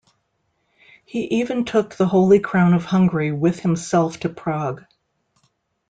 He even took the Holy Crown of Hungary with himself to Prague.